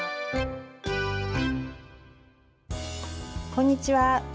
こんにちは。